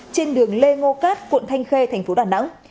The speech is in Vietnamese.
trên đường lê ngô cát quận thanh khê thành phố đà nẵng